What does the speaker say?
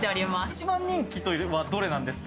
一番人気というのはどれなんですか？